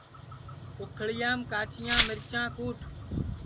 اُکھݪیام کاچیاں مِرچاں کُٹ